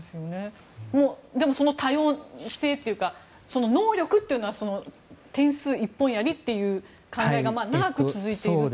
でも、多様性というか能力というのは点数一本槍という考えが長く続いているという？